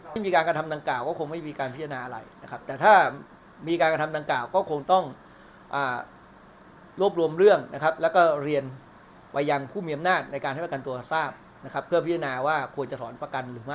ที่มีการกระทำดังกล่าก็คงไม่มีการพิจารณาอะไรนะครับแต่ถ้ามีการกระทำดังกล่าวก็คงต้องรวบรวมเรื่องนะครับแล้วก็เรียนไปยังผู้มีอำนาจในการให้ประกันตัวทราบนะครับเพื่อพิจารณาว่าควรจะถอนประกันหรือไม่